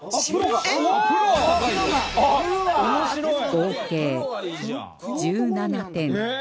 合計１７点